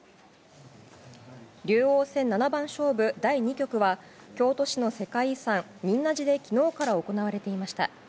竜王戦七番勝負第２局は京都市の世界遺産・仁和寺で昨日から行われていました。